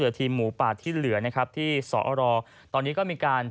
ผลวิวธีมหมูป่าที่เหลือนะครับที่สำหรับตอนนี้ก็มีการเตรียม